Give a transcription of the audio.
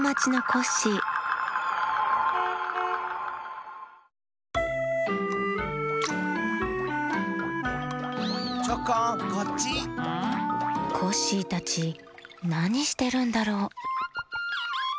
コッシーたちなにしてるんだろう？